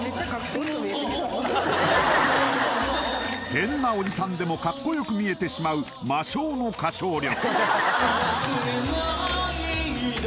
変なおじさんでもカッコよく見えてしまう魔性の歌唱力